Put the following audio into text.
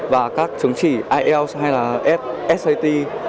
và các chứng chỉ ielts hay là sat